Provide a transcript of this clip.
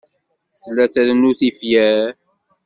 Tella trennu tifyar.